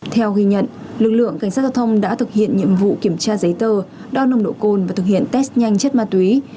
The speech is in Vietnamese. theo ghi nhận lực lượng cảnh sát giao thông đã thực hiện nhiệm vụ kiểm tra giấy tờ đo nồng độ cồn và thực hiện test nhanh chất ma túy